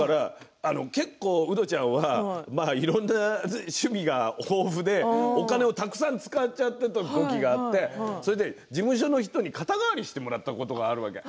結構、ウドちゃんはいろいろな趣味が豊富でお金をたくさん使っちゃっていた時があって事務所の人に肩代わりしてもらったことがあるわけ。